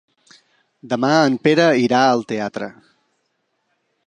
Demà en Pere irà al teatre.